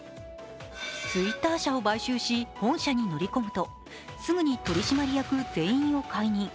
ツイッター社を買収し本社に乗り込むとすぐに取締役全員を解任。